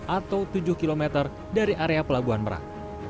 atau tujuh km dari area pelabuhan merak